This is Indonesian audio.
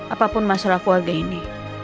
apapun masalah keluarga ini